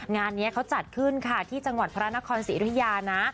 งานนี้เขาจัดขึ้นค่ะที่จังหวัดพระนครศรีอยุธยานะ